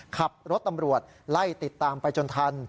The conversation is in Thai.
ขับรถตำรวจไล่ติดตามไปจนทัน